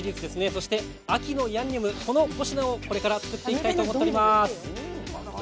そして「秋のヤンニョム」の５品をこれから作っていきたいと思います。